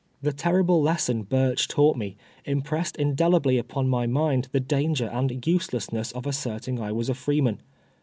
The terrible lesson 13urcli taught me, impressed indelibly upon my mind the danger and uselessness of asserting I Avas a freeman.